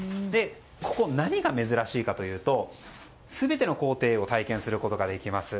ここは何が珍しいかというと全ての工程を体験することができます。